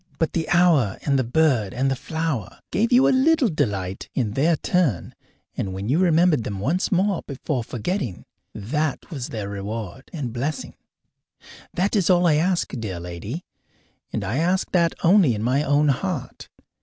But the hour and the bird and the flower gave you a little delight in their turn, and when you remembered them once before forgetting, that was their reward and blessing. That is all I ask, dear lady, and I ask that only in my own heart.